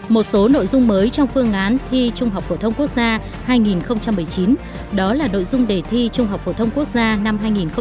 một số nội dung mới trong phương án thi trung học phổ thông quốc gia hai nghìn một mươi chín đó là nội dung đề thi trung học phổ thông quốc gia năm hai nghìn hai mươi